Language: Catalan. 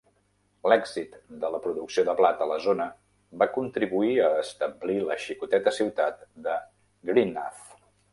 L'èxit de la producció de blat a la zona va contribuir a establir la xicoteta ciutat de Greenough.